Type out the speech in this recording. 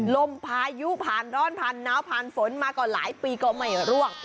ลมพายุผ่านร้อนผ่านหนาวผ่านฝนมาก็หลายปีก็ไม่ร่วง